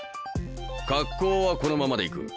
格好はこのままで行く。